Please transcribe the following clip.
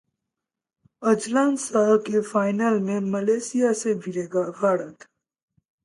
Azlan Shah के final में Malaysia से भिड़ेगा भारत